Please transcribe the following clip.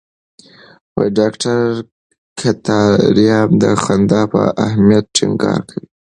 ډاکټر کتاریا د خندا په اهمیت ټینګار کوي.